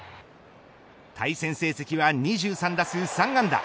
対戦成績は、２３打数３安打。